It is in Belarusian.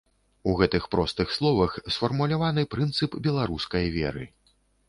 У гэтых простых словах сфармуляваны прынцып беларускай веры.